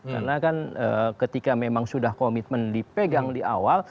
karena kan ketika memang sudah komitmen dipegang di awal